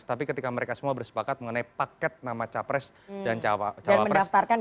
tapi ketika mereka semua bersepakat mengenai paket nama capres dan cawapres